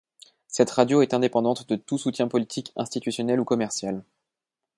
Cette radio est indépendante de tout soutien politique, institutionnel ou commercial.